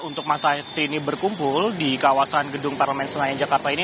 untuk masa sini berkumpul di kawasan gedung parlemen senayan jakarta ini